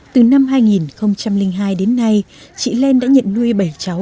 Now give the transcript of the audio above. từ năm hai nghìn hai đến nay chị lên đã nhận nuôi bảy cháu